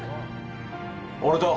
俺と。